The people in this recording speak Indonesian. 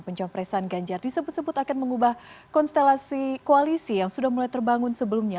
pencapresan ganjar disebut sebut akan mengubah konstelasi koalisi yang sudah mulai terbangun sebelumnya